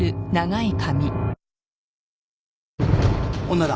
女だ。